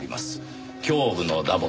胸部の打撲。